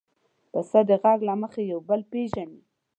پسه د غږ له مخې یو بل پېژني.